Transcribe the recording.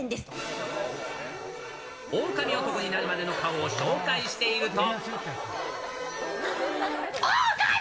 オオカミ男になるまでの顔を紹介していると。